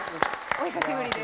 お久しぶりです。